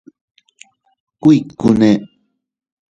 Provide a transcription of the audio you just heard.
¿Kuikune?